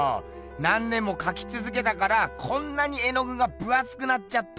何年もかきつづけたからこんなに絵のぐが分あつくなっちゃったってことか。